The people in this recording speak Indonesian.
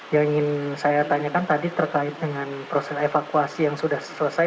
yang ingin saya tanyakan tadi terkait dengan proses evakuasi yang sudah selesai